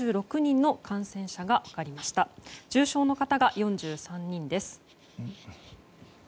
重症の方が４３人です。